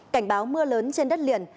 cảnh báo mưa lớn trên đất liền